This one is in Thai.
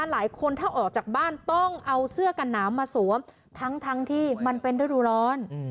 หลายคนถ้าออกจากบ้านต้องเอาเสื้อกันหนาวมาสวมทั้งที่มันเป็นฤดูร้อน